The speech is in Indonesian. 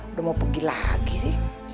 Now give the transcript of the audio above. udah mau pergi lagi sih